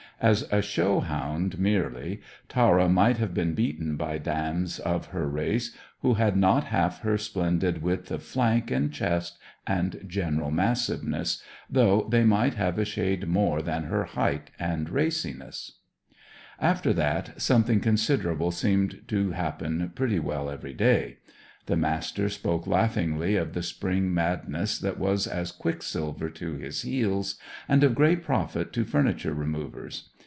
As a show hound merely, Tara might have been beaten by dames of her race who had not half her splendid width of flank and chest and general massiveness, though they might have a shade more than her height and raciness. After that, something considerable seemed to happen pretty well every day. The Master spoke laughingly of the spring madness that was as quicksilver to his heels, and of great profit to furniture removers.